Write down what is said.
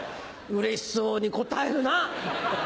うれしそうに答えるな！